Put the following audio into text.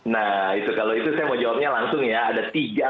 nah itu kalau itu saya mau jawabnya langsung ya